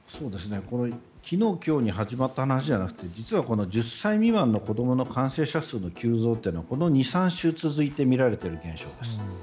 昨日、今日に始まった話ではなくて実はこの１０歳未満の子供の感染者数の急増はこの２３週、続いて見られている現象です。